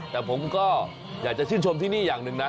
แต่ผมก็อยากจะชื่นชมที่นี่อย่างหนึ่งนะ